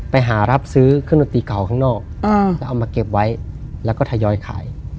ไปหารับซื้อเครื่องดนตรีเก่าข้างนอกแล้วเอามาเก็บไว้แล้วก็ทยอยขาย